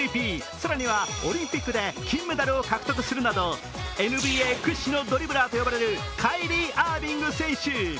更にはオリンピックで金メダルを獲得するなどＮＢＡ屈指のドリブラーと呼ばれるカイリー・アービング選手。